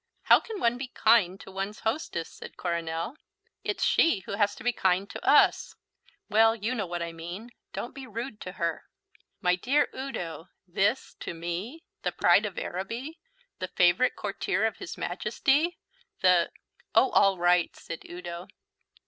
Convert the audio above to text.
"How can one be kind to one's hostess?" said Coronel. "It's she who has to be kind to us." "Well, you know what I mean; don't be rude to her." "My dear Udo, this to me the pride of Araby, the favourite courtier of his Majesty, the " "Oh, all right," said Udo.